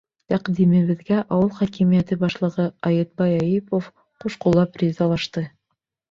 Тәҡдимебеҙгә ауыл хакимиәте башлығы Айытбай Әйүпов ҡуш ҡуллап ризалашты.